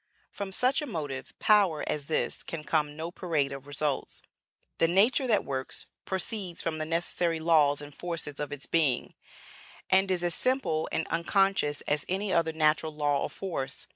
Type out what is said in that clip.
From such a motive power as this can come no parade of results. The nature that works, proceeds from the necessary laws and forces of its being, and is as simple and unconscious as any other natural law or force.